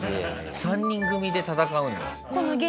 ３人組で戦うのよ。